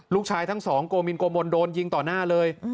ลูกชายทั้งสองโกมินโกมนโดนยิงต่อหน้าเลย